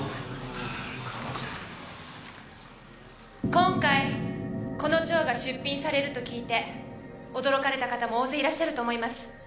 今回この蝶が出品されると聞いて驚かれた方も大勢いらっしゃると思います。